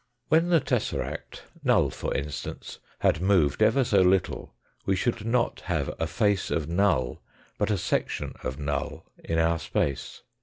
When the tesseract, null for instance, had moved ever so little we should not have a face of null but a section of null in our space.